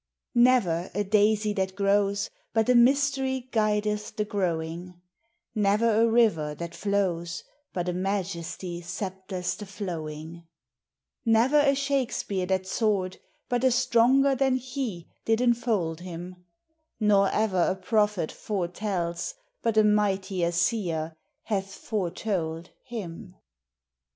Never a daisy that grows, but a mystery guideth the growing ; Never a river that flows, but a majesty sceptres the flowing ; Never a Shakespeare that soared, but a stronger than he did enfold him, Nor ever a prophet foretells, but a mightier seer hath foretold him.